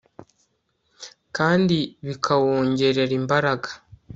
kandi bikawongerera imbaraga